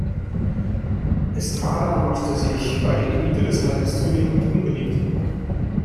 Estrada machte sich bei der Elite des Landes zunehmend unbeliebt.